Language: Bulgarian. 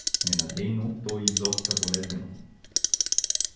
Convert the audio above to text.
Ненадейно той изохка болезнено.